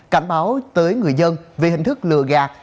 cảnh báo tới người dân về hình thức lừa gạt